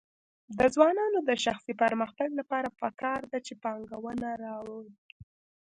د ځوانانو د شخصي پرمختګ لپاره پکار ده چې پانګونه راوړي.